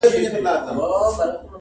• ماسومان حيران ولاړ وي چوپ تل..